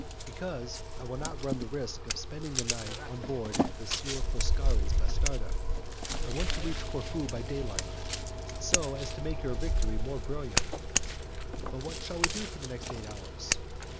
"Because I will not run the risk of spending the night on board M. Foscari's bastarda. I want to reach Corfu by daylight, so as to make your victory more brilliant." "But what shall we do for the next eight hours?"